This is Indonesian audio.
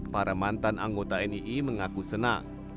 para mantan anggota nii mengaku senang